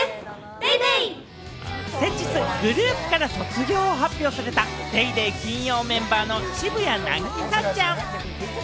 先日、グループからの卒業を発表された『ＤａｙＤａｙ．』金曜メンバーの渋谷凪咲ちゃん。